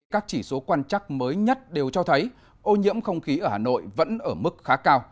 các chỉ số quan chắc mới nhất đều cho thấy ô nhiễm không khí ở hà nội vẫn ở mức khá cao